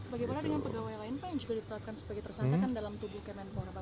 bagaimana dengan pegawai lain yang juga diterapkan sebagai tersangka dalam tubuh kementerian pura